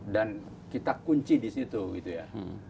dan kita kunci di situ gitu ya